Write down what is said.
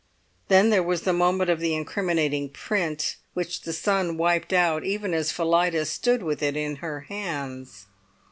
Then there was the moment of the incriminating print, which the sun wiped out even as Phillida stood with it in her hands.